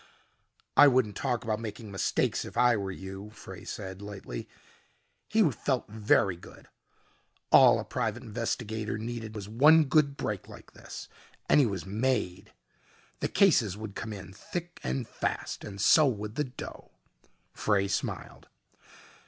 "I wouldn't talk about making mistakes if I were you," Frey said lightly. He felt very good. All a private investigator needed was one good break like this, and he was made. The cases would come in thick and fast, and so would the dough. Frey smiled.